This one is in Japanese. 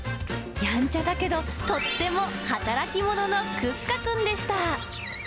やんちゃだけどとっても働き者のクッカくんでした。